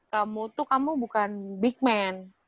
kamu tuh kamu bukan big man